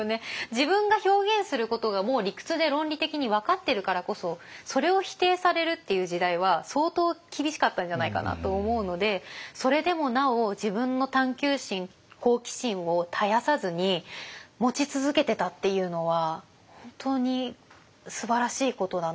自分が表現することがもう理屈で論理的に分かってるからこそそれを否定されるっていう時代は相当厳しかったんじゃないかなと思うのでそれでもなお自分の探究心好奇心を絶やさずに持ち続けてたっていうのは本当にすばらしいことだなと思います。